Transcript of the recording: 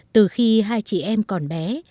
từ khi hai chị em còn bé